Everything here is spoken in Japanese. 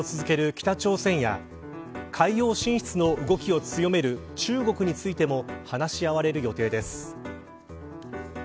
北朝鮮や海洋進出の動きを強める中国についても話し合われる予定です。